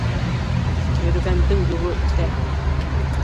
Йөрөгәндең юлы үтә